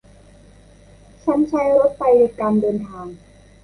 ฉันใช้รถไฟในการเดินทาง